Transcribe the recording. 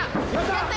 やった？